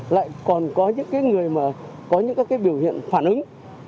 lại còn có những người có những biểu hiện phản ứng